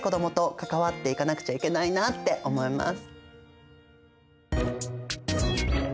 関わっていかなくちゃいけないなって思います。